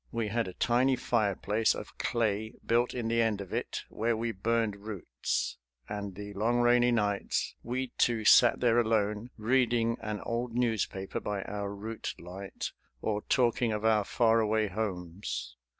We had a tiny fire place of clay built in the end of it, where we burned roots, and the long rainy nights we two sat there alone, reading an old newspaper by our root light or talking of our far away homes.